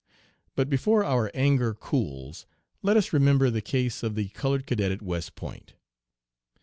"But before our anger cools, let us remember the case of the colored cadet at West Point.